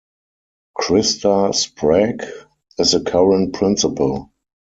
Krista Sprague is the current principal.